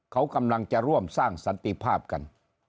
เขากำลังจะร่วมสร้างสันติภาพกัน